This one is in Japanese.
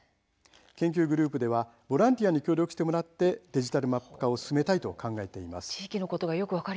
研究グループではボランティアに協力してもらってデジタルマップ化を進めたいと考えています。